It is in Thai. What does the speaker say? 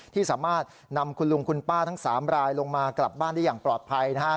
ที่สามารถนำคุณลุงคุณป้าทั้ง๓รายลงมากลับบ้านได้อย่างปลอดภัยนะครับ